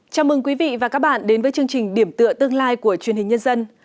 chào mừng quý vị và các bạn đến với chương trình điểm tựa tương lai của truyền hình nhân dân